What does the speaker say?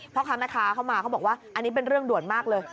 พ่อค้าแม่ค้าเข้ามาเขาบอกว่าอันนี้เป็นเรื่องด่วนมากเลย